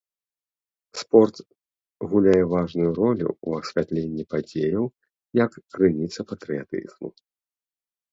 Спорт гуляе важную ролю ў асвятленні падзеяў як крыніца патрыятызму.